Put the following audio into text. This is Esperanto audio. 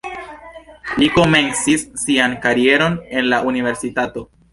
Li komencis sian karieron en la universitato.